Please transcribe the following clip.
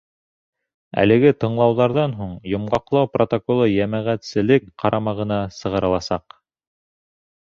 Әлеге тыңлауҙарҙан һуң йомғаҡлау протоколы йәмәғәтселек ҡарамағына сығарыласаҡ.